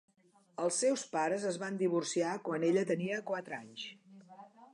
Els seus pares es van divorciar quan ella tenia quatre anys.